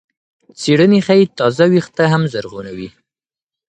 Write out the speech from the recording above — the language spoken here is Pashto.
څېړنې ښيي تازه وېښته هم زرغونوي.